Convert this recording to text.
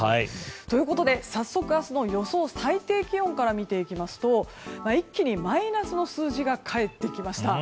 ということで、早速明日の予想最低気温から見ていきますと一気にマイナスの数字が帰ってきました。